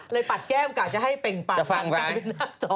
เลยแก้มกลากจะให้เป็นหน้าตอบ